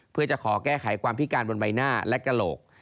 เพื่อจะขอแก้ไขความพิการบนใบหน้าและกระโหลก